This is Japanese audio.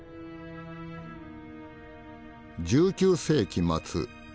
１９世紀末